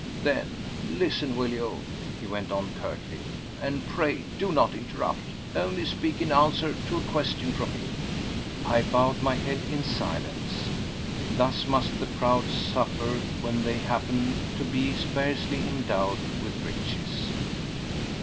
"Then listen, will you?" he went on curtly, "and pray do not interrupt. Only speak in answer to a question from me." I bowed my head in silence. Thus must the proud suffer when they happen to be sparsely endowed with riches.